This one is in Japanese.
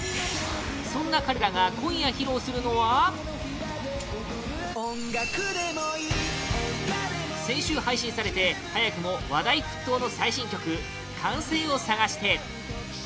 そんな彼らが今夜、披露するのは先週、配信されて早くも話題沸騰の最新曲「歓声をさがして」